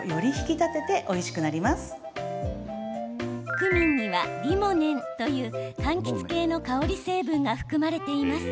クミンには、リモネンというかんきつ系の香り成分が含まれています。